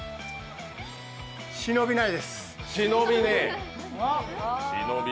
忍びないです。